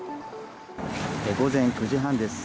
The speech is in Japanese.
午前９時半です。